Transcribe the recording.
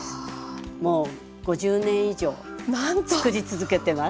もう５０年以上つくり続けてます。